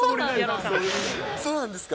そうなんですか。